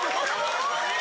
・え！